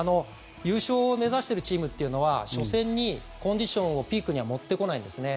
優勝を目指しているチームは、初戦にコンディションをピークには持ってこないんです。